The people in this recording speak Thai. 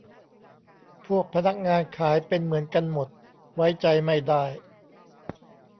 พวกพนักงานขายเป็นเหมือนกันหมด ไว้ใจไม่ได้